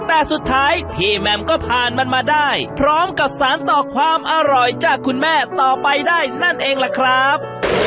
แต่สุดท้ายพี่แมมก็ผ่านมันมาได้พร้อมกับสารต่อความอร่อยจากคุณแม่ต่อไปได้นั่นเองล่ะครับ